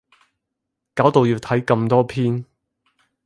搞到要睇咁多篇